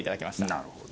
なるほど。